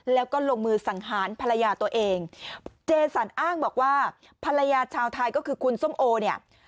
แล้วก็ลงมือสังหารภรรยาตัวเองเจสันอ้างบอกว่าภรรยาชาวไทยก็คือคุณส้มโอเนี่ย